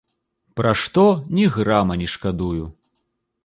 Пра што ні грама не шкадую.